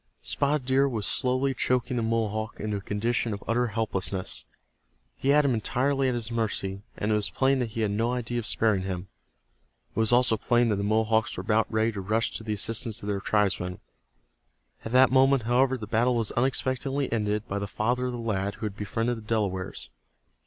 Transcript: Spotted Deer was slowly choking the Mohawk into a condition of utter helplessness. He had him entirely at his mercy, and it was plain that he had no idea of sparing him. It was also plain that the Mohawks were about ready to rush to the assistance of their tribesman. At that moment, however, the battle was unexpectedly ended by the father of the lad who had befriended the Delawares.